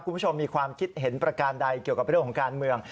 คุณผู้ชมมีความคิดเห็นประการใดเกี่ยวกับเรื่องของการเมือง